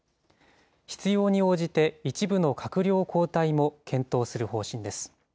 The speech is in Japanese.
必要に応じて、一部の閣僚交代も検討する方針です。